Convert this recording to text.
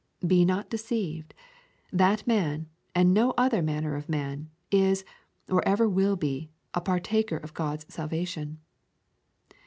Be not deceived; that man, and no other manner of man, is, or ever will be, a partaker of God's salvation.